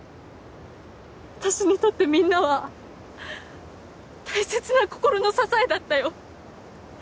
私にとってみんなは大切な心の支えだったよ。